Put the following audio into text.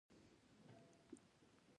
سارا د احمد ګوته ونيوله او روان شول.